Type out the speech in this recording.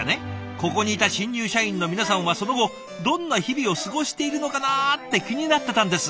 ここにいた新入社員の皆さんはその後どんな日々を過ごしているのかなって気になってたんです。